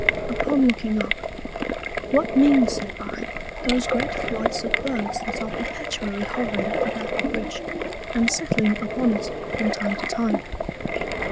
Upon looking up, What mean, said I, those great Flights of Birds that are perpetually hovering about the Bridge, and settling upon it from time to time?